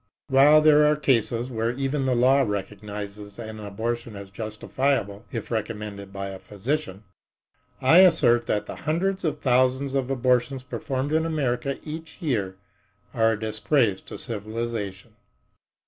While there are cases where even the law recognizes an abortion as justifiable if recommended by a physician, I assert that the hundreds of thousands of abortions performed in America each year are a disgrace to civilization.